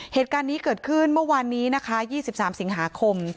เหตุการณ์นี้เกิดขึ้นเมื่อวานนี้นะคะ๒๓สิงหาคม